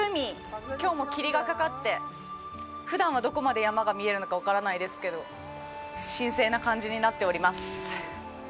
きょうも霧がかかってふだんはどこまで山が見えるのか分からないですけど神聖な感じになっております。